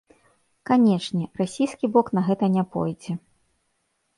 Канечне, расійскі бок на гэта не пойдзе.